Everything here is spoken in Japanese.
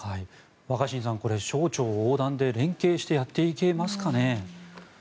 若新さん、省庁横断で連携してやっていけますかね。